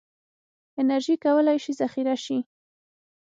انرژي کولی شي ذخیره شي.